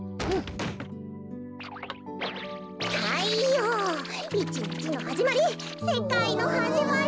たいよういちにちのはじまりせかいのはじまり。